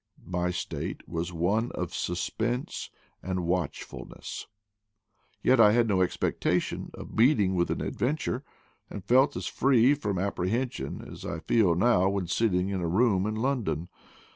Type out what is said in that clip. My state was one of suspense and watchfulness: yet I had no expectation of meet ing with an adventure, and felt as free from ap prehension as I feel now when sitting in a room in London.